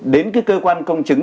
đến cơ quan công chứng